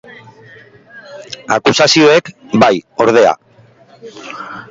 Akusazioek, bai, ordea.